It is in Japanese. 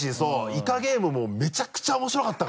「イカゲーム」はめちゃくちゃ面白かった！